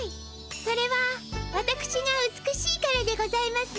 それはわたくしが美しいからでございますね。